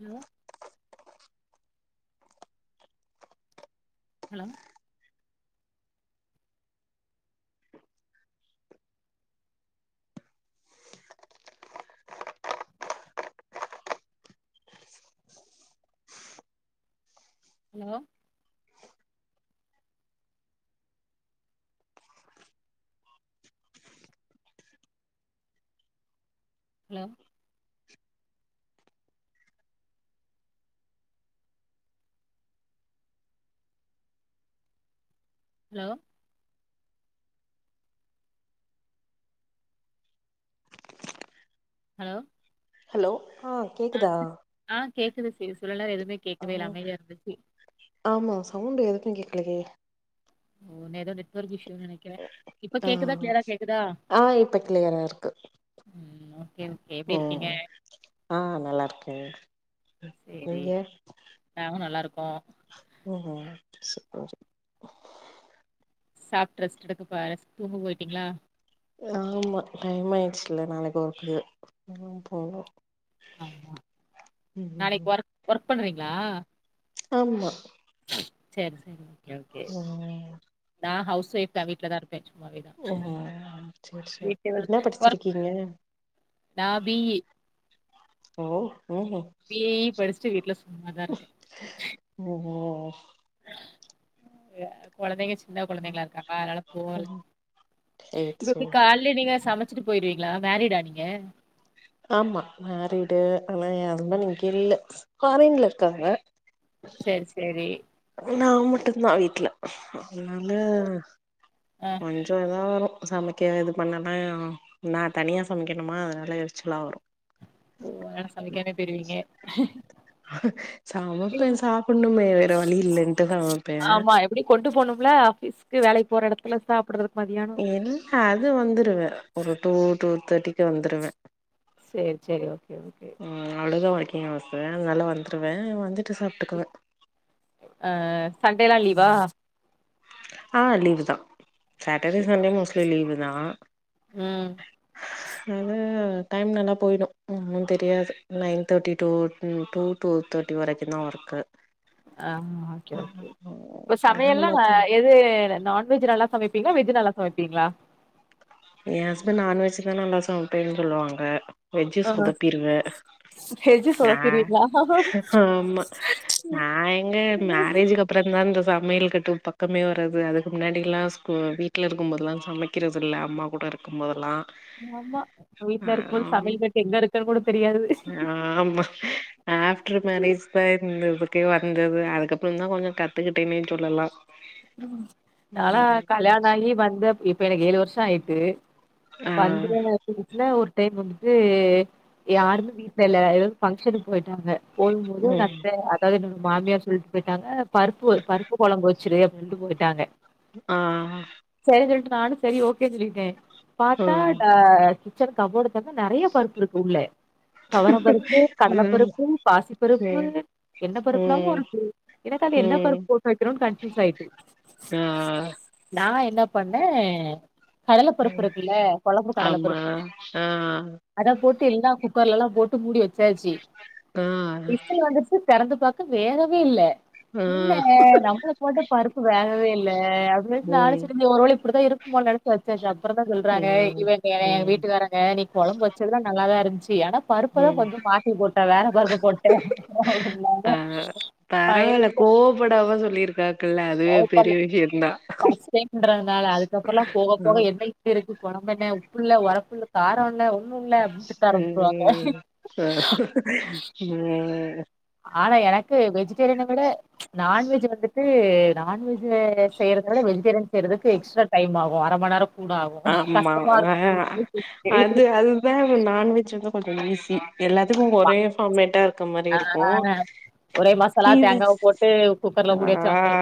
Hello hello hello hello hello hello hello ஆ ஆ கேக்குதா ஆ கேக்குது சரி இவ்ளோ நேர எதுவுமே ஆ கேட்கவே இல்ல அமைதியா இருந்துச்சு ஆமா சவுண்டு எதுக்கு கேக்கலையே ம் ஏதோ நெட்ஒொர்க் இஷ்யூன் நனைக்கற இப்ப ஆ கேக்குதா கிளியரா கேக்குதா ஆ இப்ப கிளியரா இருக்கு ம் ஓகே ஓகே எப்டி இருக்கீங்க ம் ஆ நல்லாயிர்கே சரி. நீங்க நாங்களும் நல்லா இருக்கோம். ம் ம் சூப்பரு சாப்புட் ரெஸ்ட் எடுக் பாரஸ் தூங்க போயிட்டீங்ளா ஆமா டைம் ஆயிட்ச்சில்ல நாளைக்கி ஓர்க் இல்ல போனோ ஆமா ம் நாளைக் ஒர்க் ஒர்க் பண்றீங்களா ஆம் மா சேரி சேரிங்க ம்ம் நா ஹவுஸ் வைஃப் தா வீட்ல தா இருப் பே சும்மாவேதா ம் சரி சரி வீட்ல என்ன ஒர்க் படிச்சிருக்கீங்க நா பி யி ஓ ஓஹோ பி யி படிஸ்ட்டு வீட்ல சும்மாதா இருக்க ஒ ஓஹோ அ கொழந்தைங்க சின்ன இருக்காங்ளா இருக்காங்க அனால போல சரி [unintelligible] சரி கால் இல்ல நீங்க சமச்சிட்டு போயிருவீங்ளா மேரிடா நீங்க ஆமா மேரிடு ஆனா யாருமே இங்கில்ல ஃபாரின்ல இருக்காங்க செரி செரி நா மட்டு தா வீட்ல அதனால ஆ கொஞ்சோ இதா வரு சமைக்க இது பண்ணலா நா தனியா சமைக்கணுமா அதனால எரிச்சலா வரு ஒரு வேல சமைக்காமையே பெயிருவீங்க சமைப்ப சாப்டணுமே வேற வழி இல்லன்டு சமப்ப ஆமா எப்டியு கொண்டு போனும்ல்ல ஆபீஸ்கு வேலை போற எடத்துல சாப்டறதுக்கு மதியானோ இல்ல அது வந்துருவ ஒரு டூ டூ தாட்டிக்கு வந்துருவ சேரி சேரி ஓகே ஓகே அவ்ளோதா ஒர்க்கிங் ஹவர்ஸ்சு அதனால வந்துருவ வந்து அ சண்டேலா லீவா ஆ லீவு தா சாட்டடே சண்டே மோஸ்ட்லி லீவு தா ம் அதனால டைம் நல்லா போயிடு ஒண்ணு ரியாது நைன் தேட்டி டூ டூ டூ தேட்டி வரைக்கு தா ஒர்க் ஆம் ஓகே ஓகே ஓகே இப்ப அதனால சமையல்லா மத்த எது நான்வெஜ் நல்லா சமப்பீங்ளா வெஜ் நல்லா சமப்பீங்ளா ஏ ஹஸ்பண்ட் நான்வெஜ் தா நல்லா சமப்பேன் சொல்லுவாங்க வெஜ் ஆ சொதப்பிருவே வெஜ் அ சொதப்பிருவீங்களா ஆமா நா எங்க மேரேஜிக்கு அப்றோ தா இந்த சமயல் கட்டு பக்கமே வர்றது அதுக்கு முன்னாடில்லா ஸ்கூ வீட் ட்ல இருக்கு போதெல்லா சமக்கறதில்ல அம்மா கூட இருக்கு போதெல்லா ஆமா ஆ வீட்ல இருக்கு போது சமயல் கட்டு எங்க இருக்குனு கூட தெரியாது ஆமா ஆப்ட்ரு மேரேஜ் தா இந்த இதுக்கே வந்தது அதுக்கப்றோ தா கொஞ்சோ கத்துக்கிட்டேனே சொல்லலா ம் நாளா கல்யாணாகி வந்து இப்ப எனக்கு ஏழு வர்ஷோ ஆயிட்டு ஆ வந்த [unintelligible] வீட்ல ஒரு டைம் வந்துட்டு யாருமே வீட்ல இல்ல எதோ ஃபங்ஷனுக் போயிட்டாங்க போதுபோது ம் அத்த அதாவ்து என்னோட மாமியார் சொல்ட்டு போயிட்டாங்க பருப்பு பருப்பு கொழம்பு வச்சுரு அப்டின்டு போயிட்டாங்க ஆ சேரி சொல்ட்டு நானு சரி ஓகே சொல்லிட்டே பாத்தா ம் டா ச்சன் கபோர்ட தெர்ந்தா நெறைய பருப்பு இருக்கு உள்ள தொவர பருப்பு ம் கடலப்பருப்பு பாசிப்பருப்பு சேரி என்ன பருப்புலாமோ ம் இருக்கு எனக்கு அது என்ன ம் பருப்பு போட்டு வக்ணுன் கன்ஃப்யூஸ் ஆயிட் அ அ நா என்ன பண்ணே கடல பருப்பு இருக்குல்ல கொழம்பு கடல ஆமா. பருப் ஆ, அத போட்டு எல்லா குக்கர்லலா போட்டு மூடி வச்சாச்சு ஆ, விசில் வந்துருச்சி தெறந்து பாத்த வேகவே இல்ல ஆ. என்ன நம்மளு போட்ட பருப்பு வேகவே இல்ல அப்டி சொல்ட்டு நானு ம், செரி ஒருவேல இப்டிதா இருக்குபோல் நென வச்சாச்சு அப்புறதா சொல்றாங்க ம், இவங்க எங்க ம், வீட்டுக்காரங்க நீ கொழம்பு வச்சதுல்லா நல்லாதா இருந்துச்சு அனா பருப்பதா ம். கொஞ்ச மாத்தி போட்ட வேற பருப்பு போட்டுடே ஆ [inaudible] பரவால்ல கோ கோவ்ப்படாம சொல்லிருக்காரு குல்ல [unintelligible] பண்ணு ஃபர்ஸ்ட் டைம்ன்றதுனால அதுக்கப்புறல்லா போக போக ம், என்னை ப்டிருக்கு கொழம்பெண்ண உப்புல்ல ஒரப்புல்ல காரோ இல்ல ஒன்னு இல்ல அப்டின் திட்ட ஆரமிச்ருவாங்க ம். ஆ, [unintelligible] ஆனா எனக்கு வெஜிடேரியன விட நான்வெஜ் வந்துட்டு நான்வெஜ் து செய்யறதுனால வெஜிடேரியன் செய்றதுக்கு எக்ஸ்ட்ரா டைம் ஆகு அரம நேர கூடா ஆகு ஆமா. கஸ்ட்டமாருக்கு [inaudible] வேவு நான்வெஜ் வந்து கொஞ்ச ஈஸி எல்லாத்துக்கு ஒரே ஃபார்மேட்டா இருக்க மாரி ஆ இருக்கு ஒரே மசாலா தேங்காவ ஈவிஸ் போட்டு குக்கர்ல ஆ மூடி வச்சா வந்துரு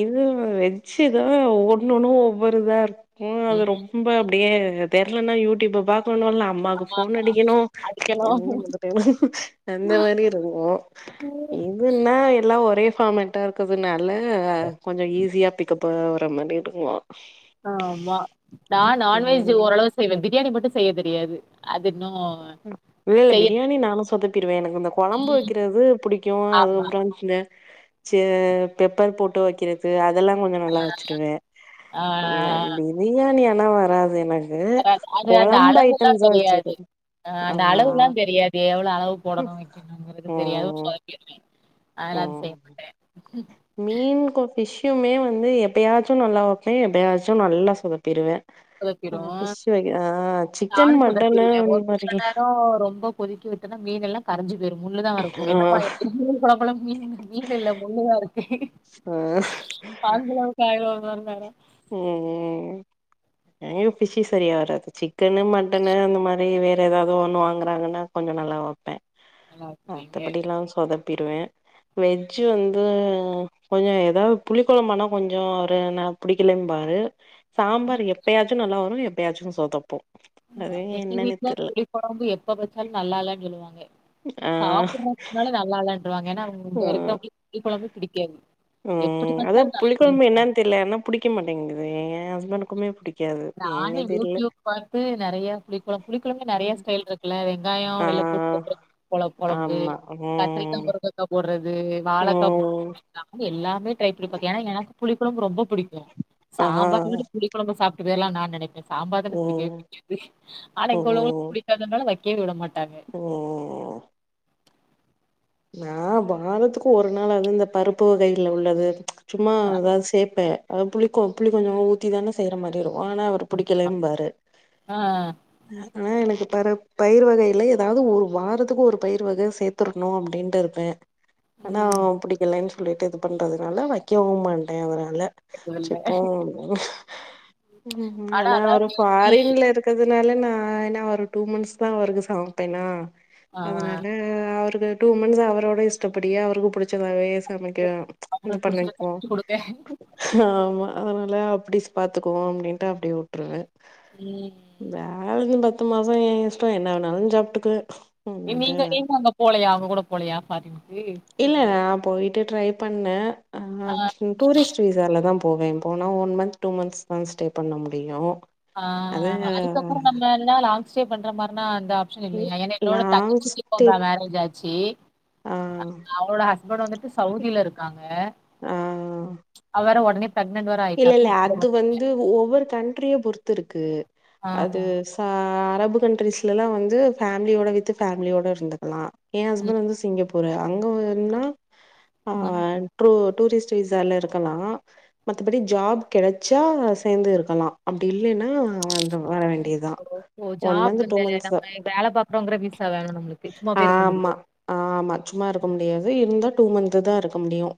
இது வெச்சிதா ஒன்னொன்னு ஒவ்வொரு இதாருக்கு அது ம் ரொம் ரொம்ப அப்டியே தெர்லன்னா யூட்யூப்ப பாக்கனு இல்ன அம் மாக்கு ஃபோன் அடிக்கணு அடிக்கணு [unintelligible] அந்த மாரி இருக்கு இதுன்னா எல்லா ஒரே ஃபாமேட் ட்டா இருக்குறதுனால கொஞ்ச ஈஸியா பிக்கப்பு ஆவுர மரி இருக்கு ஆமா நா நான்வெஜ்ஜி ம் ஓரளவு செய்வ பிரியாணி மட்டு செய்ய தெரியாது அது இன்னு இல்ல இல்ல செய்ய பிரியாணி நானு சொதப்பிடுவே எனக்கு இந்த குழம்பு வக்கிறது புடிக்கு ஆமா அதுக்கப்றோ வந் ந சே பெப்பர் போட்டு வக்கிறக்கு அதல்லா கொஞ்சோ நல்லா வச்சிருவே ஆ அம்மே பிரியாணி ஆனா வராது எனக் கு வராது. கொழம்பு ஐட்டம்ஸா வச்சிது அ அந்த அளவுல்லா தெரியாது எவ்ளோ அளவு ம் போடணு வெக்கணுங்குறது தெரியாது சொதப்பிடுவே அதலா எது ம் செய் மட்டே மீன் கொ ஃபிஷ்யுமே வந்து எப்பயாச்சு நல்லா வப்பே எப்பயாச்சு நல்லா சொதப்பிருவே ஆ சொதப்பிரு ஃபிஷ் வக ஆ சிக்கன் நானு மட்டனு சொதப்பிருவே இன் ஒரு சில மாரி நேரோ ரொம்ப கொதிக்க விட்டன்னா மீனெல்லா கரஞ்சு போய்ரு முள்ளுதாருக்கு ஆ என்னம்மா இது கொல கொலன் மீனெங்க மீனில்ல முள்ளுதாருக்கு ஆ [inaudible] [unintelligible] இருந்தாரா ம் ம் ம் எனக்கு ஃபிஷ்ஷு சரியா வராது சிக்கனு மட்டனு அந்த மாரி வேற எதாவ்து ஒன்னு வாங்குறாங்கன்னா கொஞ்சொ நல்லா வப்பே நல்லா இருக்கீங்க மத்தபடில்லா சொதப்பிருவே வெஜ்ஜு வந்து கொஞ்சொ எதாவ் புளி கொழம்பானா கொஞ்சொ அவரு ந புடிக்கலேம்பாரு சாம்பாரு எப்பயாச்சு நல்லா வரு எப்பயாச்சு சொதப்பு அது எங்க என்னன்னு வீட்ல தெர்ல புளி கொழம்பு எப்ப வச்சாலு நல்லா இல்ல சொல்வாங்க ஆ சாப்புற அதனால நல்லால்லன்ருவாங்க ஏனா அவுங் இங்க ம் இருக்றோங்களுக்கு புளிகொழம்பே புடிக்காது ம் அதா புளிகொழம்பு என்னான் தெர்ல ஏனா புடிக்க மாட்டேங்கிது எ ஹஸ்பண்ட்டுக்குமே புடி நானே யூடியூப் பாத்து நறைய புளிக்கொழம்பு புளிக்கொழம்லே நறைய ம் ஸ்டைல்ரு க்குல வெங்காயோ ஆ வெள்ளப்பூண்டு போட்டு வக்கிற கொ கொழம்பு ஆமா கத்தரிக்கா ம் முருங்கக்கா போட்றது வாழக்கா போட்றது ம் நானு எல்லாமே ட்ரை பண்ணி பாத்தே ஏனா எனக்கு புளி கொழம்பு ரொம்ப புடிக்கு ஆ சாம்பார விட புளிகொழம்புல சாப்ட்டு போய்ரலா நா நெனப்பே சாம்பார் தா எனக் பிடிக்கவே ம் பிடிக்காது ஆனா இங்க உள்ளோங்களுக்கு பிடிக்காதனால வக்கவே விட மாட்டாங்க ஓ ஓ நா வாரத்துக்கு ஒரு நாளாது இந்த பருப்பு வகைல உள்ளது சும்மா எதாவ்து சேப்பே அத புளிக்கொ புளிகொஞ்சமாது ஊத்தி தானே செய்ற மாரி இருக்கு ஆனா அவ ரு புடிக்கலேம்பாரு ஆ ஆனா எனக்கு பற பயிரு வகைல எதாவ்து ஒரு வாரத்துக்கு ஒரு பயிரு வக சேத்துர்னு அ ப்டின்ட்டு இருப்பே ஆனா ம் புடிக்கலன் சொல்லிட்டு இது பண்றதுனால வக்கவு மாட்டே அதுனால கேட்டது சே இல்ல போ ஆனா அவரு அதாவது இன்னைக்கு, ஃபாரின்லரு க்கதுனால நா என்னா ஒரு டூ மன்த்ஸ் தா அவருக்கு சமப்பேனா ஆ அதனால ஆ அவருக்கு டூ மன்த்ஸ் அவரோட இஷ்டப்படியே அவருக்கு புடிச்சதாவே சமைக்க இது அவங்களுக்கு புடிச்சத பண்ணிக்வோ சமச்சு குடுங்க ஆமா அதனால அப்டி ஸ் பாத்துக்குவோ அப்டின்ட்டு அப்டே வுட்ருவே ம் ஜாலிக்கி பத்து மாசோ எ இஷ்டோ என்ன வேணாலு சாப்ட்டுக்குவே ஏ அதனால நீங்க நீங்க அங்க போலயா அவுங்க கூட போலயா ஃபாரினுக்கு இல்ல கூட்டு போல நா போய்ட்டு ட்ரை பண்ணே ஆ டூரிஸ்ட் விசால தா போவே போனா ஒன் மன்த் டூ மன்த்ஸ் தா ஸ்டே பண்ண முடியு ஆ அது அதுக்கப்றோ நம்ம எல்லா லாங் ஸ்டே பண்ற மார்னா அந்த இல்லயா ஏனா என்னோட லாங் தங்கச்சிக்கி ஸ்டே இப்போதா மேரேஜ் ஆச்சி ஆ அ அவளோட ஹஸ்பண்ட் வந்துட்டு சவுதிலருக்காங்க ஆ அவ வேற ஒட்னே ப்ரெக்னெட் வேற ஆயிட்டா இல்லெல்ல கூட்டு அது வந்து ஒவ்வொரு கண்ட்ரிய பொறுத்துருக்கு ஆ அது ப்ப அரபு கண்ட்ரிஸ்லலா வந்து ஃபேமிலியோட வித்து ஃபேமிலியோட இருந்துக்கலா எ ம் ஹஸ்பண்ட் வந்து சிங்கப்பூரு அங்க வேணா ஆ ட்ரு டூரிஸ்ட் விசால இருக்கலா மத்தபடி ஜாப் கெடச்சா சேந்து இருக்கலா அப்டி இல்லனா வ து வர வேண்டிதா ஒன் மந்த்து டூ மந்த்ஸ்தா க்றோங்கிற வீசா வேணு நம்ப்ளுக் ஆமா ஆமா சும்மா இருக்க முடியாது இருந்தா டூ மந்த்துதா இருக்க முடியு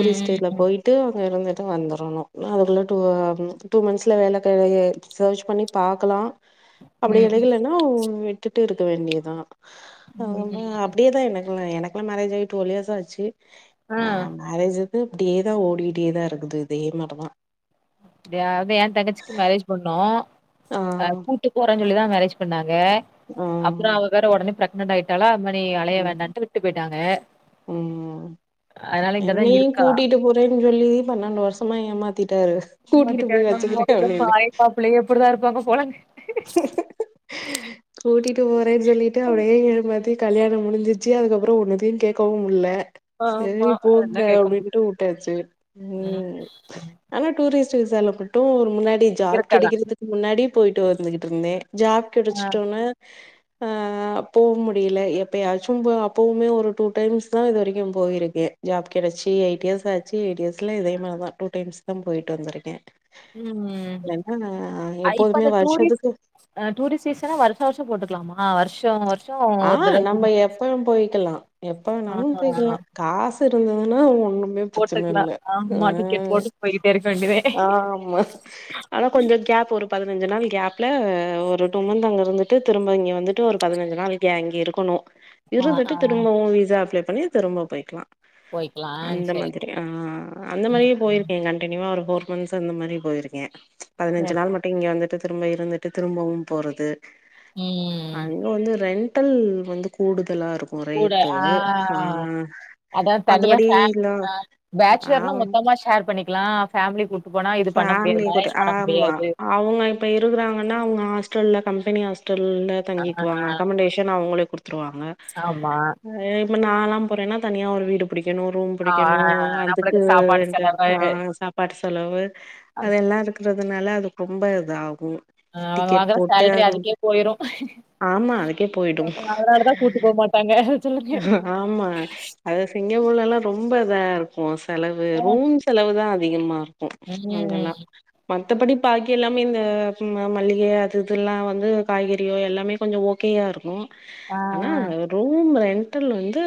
ம், போய் ட்டு அங்க இருந்துட்டு வந்துரணு அதுக்குள்ள டூ டூ மந்த்ஸ்ல வேல கடய சேச் பண்ணி பாக்கலா ம், அப்படி ம், கெடக்கலன்னா விட்டுட்டு இருக்க வேண்டிதா அ ம், ஒன்னு ம். அப்டியேதா எனக்குல்லா எனக்குல்லா மேரேஜ் ஆயி ட்வெல் யேர்ஸாச்சு ஆ மேரேஜிது அப்டியேதா ஓடிட்டேதா இருக்குது இதே மாரிதா அப்டியா வந்து எ தங்கச்சிக்கு மேரேஜ் பண்ணோ ஆ அ கூட்டு போறேன் சொல்லிதா மேரேஜ் பண்ணாங்க ஆ அப்பறோ அவ வேற ஒடனே ப்ரெக்னன்ட் ஆயிட்டாலா அத்மாரி அலைய ம் வேண்டான்ட்டு விட்டு போய்ட்டாங்க ம் அதனால இங்கதா என்னையு இருக்கா [unintelligible] சொல்லி பன்னெண்டு வர்ஷமா ஏமாத்திட்டாரு கூட்டிட்டு போய் வெச்சுக்கிறே அப்டினு பிள்ளைங்க அப்ழடிதா இருப்பாங்க போலாங்க கூட்டிட்டு போறேன் சொல்லிட்டு அப்டியே ஏமாத்தி கல்யாணோ முடிஞ்சிச்சு அதுக்கப்புறோ ஒன்னுதியு கேக்கவு முல்ல ஆமா. செரி போங்க அதெல்லாம் கேட்க முடியாது. அப்டினிட்டு உட்டாச்சு ம் ஆனா டூரிஸ்டு வீசால்ல மட்டு ஒரு முன்னாடி ஜாப் இருக்கலாம். கெடைக்கிறதுக்கு முன்னாடி போய் ட்டு இருந்துகுட்ருந்தே ஜாப் ஆ கெடச்சிட்டோன்ன அ போவு முடியல எப்பயாச்சு போ அப்பவுமே ஒரு டூ டைம்ஸ்தா இது வரைக்கு போயிருக்கே ஜாப் கெடச்சி எய்ட் யேஸ் ஆச்சு எய்ட் யேஸ்ல இதே மாரிதா டூ டைம்ஸ்தா போய்ட்டு வந்துருக்கே ம். என்னன்னா அ இப்ப எப்போதுமே அந்த வ டூரிஸ்ட் அ டூரிஸ்ட் வீசனா வர்ஷா வர்ஷோ போட்டுக்லாமா வர்ஷோ வர் ஆ நம்ப எப்பவும் போய்க்கலா எப்ப வேணாலும் ஆஹா போய்க்கலா காசு இருந்ததுன்னா ஒண்ணு ப்ரெச்சன போட்டுக்கலா இல்ல ஆமா டிக்கெட் போட்டு போய்கிட்டே இருக்க வேண்டியதே ஆ ஆமா ஆனா கொஞ்சோ கேப் ஒரு பதினஞ்சு நாள் கேப்ல ஒரு டூ மந்த் அங்க இருந்துட்டு திரும்ப இங்க வந்துட்டு ஒரு பதினஞ்சு நாள் க்கு அங்க இருக்கணு ஆ ஆ இருந்துட்டு திரும்பவு வீசா அப்ளை பண்ணி திரும்ப போய்க்கலா போய்க்கலா அந்த சேரி மாதிரி ஆ அந்த ம் மாரியே போயிருக் கே கண்டியூவா ஒரு ஃபோர் மந்த்ஸ் அந்த மாரி போயிருக்கே பதினஞ்சி சரி. நாள் மட் டு இங்க வந்துட்டு திரும்ப இருந்துட்டு திரும்பவும் போறது ம் அங்க வந்து ரென்டல் வந்து கூடுதலா இருக்கு கூட ரேட்டு ஆ ஆ அதா தனியா மத்தபடி ஃபேம் இல்ல [unintelligible] பேச்சுலர்னா ஆம் மொத்தமா ஷேர் பண்ணிக் கிலா ஃபேமிலி கூட்டு போனா இது பண்ண முடியாது மேனேஜ் பண்ண முடியாது அவுங்க இப்போ இருக்கறாங்கனா அவுங்க ஹாஸ்டல்ல கம்பெனி ஹாஸ்டல்ல தங்கிக்குவாங்க அக்கமன்டேஷன் அவுங்களே குடுத்துருவாங்க ஆமா அ இப்ப நாலா போறேன்னா தனியா ஒரு வீடு புடிக்கனு ரூம் ஆ புடிக்கனு அதுக்கு நம்மளுக்கு சாப்பாடு ரென்டல் செலவு ஆ சாப் பாட் செலவு அ அதெல்லா இருக்கிறதுனால அதுக் ரொம்ப இதாகு அவங்க டிக்கெட் வாங்குற போட்டு சேலரி அங் அதுக்கே போயிரு ஆமா அதுக்கே போய்டு போட்டாங்க அத் சொல்ல ஆமா அது சிங்கப்பூர்லலா ரொம்ப இதா இருக்கு செலவு ஆ ரூம் செலவு தா அதிகமா இரு ம் அங்கெல்லா மத்தபடி பாக்கி எல்லாமே இந்த மல்லிக அது இதுெல்லா வந்து காய்கறியோ எல்லாமே கொஞ்சோ ஓகேயா இருக்கு ஆ, ஆனா ஆ. ரூம் ரெண்டல் வந்து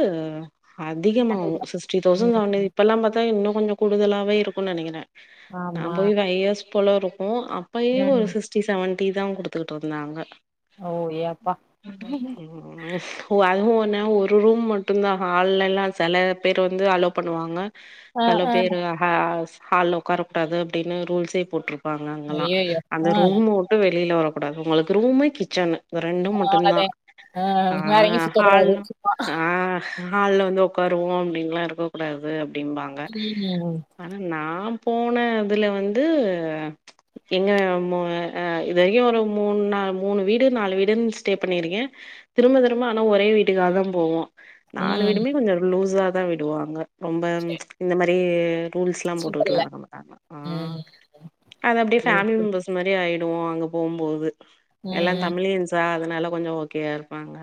அதிகமாவு அதுதான். சிக்ஸ்டி தௌசண் ம். தாண்டுணுது இப்பெல்லா பாத்தா இன்னுகொஞ்சோ கூடுதலாவே இருக்கு நெனைக்கிறே நா ஆமா. போய் ஒரு ஃபைவ் இயர்ஸ் போல இருக்கு அப்பயே ஒரு சிஸ் ம். சிஸ்ட்டி சவன்டி தா குடுத்துட்டு இருந்தாங்க ஓ! ஏ அப்பா! ம் அதுவு ஒன்னு ஒரு ரூம் மட்டுந்தா ஹால்ல எல்லா செல பேர் வந்து அலோ பண்ணுவாங்க ஆ, செல ஆ. பேர் ஹ ஹால்ல உக்கார கூடாது அப்டின்னு ரூல்ஸே போட்ரு அங்கலா ஐயய்யோ! அந்த ஆ ரூம்ம விட்டு வெளில வரகூடாது உங்ளுக்கு ரூமு கிச்சன்னு அந்த ரெண்டு மட்டுந்தா அவ்ளோதான். ஆ அ வேற எங்கயும் ஹால் சுத்தக்கூடாது. சும்மா. ஆ ஹால்ல வந்து உக்காருவோ அப்டின்லா இருக்க கூடாது அப்டிம்பாங்க ம். ஆனா நா போன இதுல வந்து எங்க மு அ இது வரைக்கு ஒரு மூணு நா மூணு வீடு நாலு வீடுன்னு ஸ்டே பண்ணிர்க்கே திரும்ப திரும்ப ஆனா ஒரே வீட்டுக்காகதா போவோ நாலு ம். வீடுமே கொஞ்சோ லூஸா தா விடுவாங்க ரொம்ப சரி. ச் இந்த மாரி ரூல்ஸ்லா போட்டுகிட்லா சுத்தல்ல. இருக்க மாட்டாங்க ம். அது அப்டியே பேமிலி ஓகே. மெம்பர்ஸ் இந்த மாரி ஆய்டுவோ அங்க போம்போது ம், எல்லாந் ம். தமிழியேன்ஸ் பே அதனால கொஞ்சோ ஓகேயா இருப்பாங்க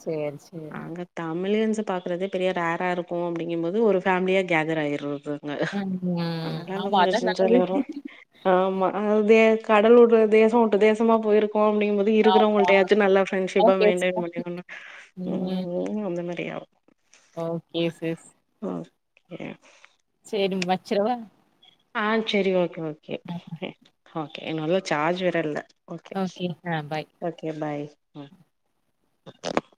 சேரி சேரி இங்க தமிழியன்ஸ் அ பாக்குறதே பெரிய ரார் அ இருக்கு அப்டிங்கும்போது ஒரு ஃபேமிலியா கேதர் ஆகிட்றது அ ம், ம். அதனாலா அங்க ஆமா, கொஞ்சோ அதான் நல்லது. சென்சார்ல ஏறு ஆமா அதாவது கடல் வுட்டு தேசோ வுட்ட தேசமா போயிருக்கோ அப்டிங்குபோது ஆமா. இருக்கறவங்கள்டாச்சி நல்லா பிரண்ஷிப்பா அதான் மெயின்டன் பேசுவோம். பண்ணிரனு ம். ம் அந்த மாரி ஆகு ஓகே சிஸ் ஓக்கே சேரிம் வச்ரவா ஆ சேரி ஓகே ஓகே ஓகே ஓகே நல்லா ஜார்ச் வேர இல்ல ஓகே ஆ பை. ஓகே பாய் ம்